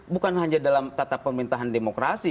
bukan hanya dalam tata pemerintahan demokrasi